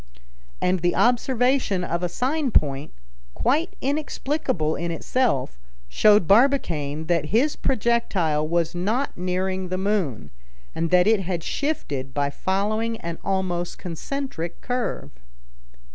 And the observation of a sign point, quite inexplicable in itself, showed Barbicane that his projectile was not nearing the moon, and that it had shifted by following an almost concentric curve.